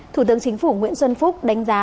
thủ tướng chính phủ nguyễn xuân phúc đánh giá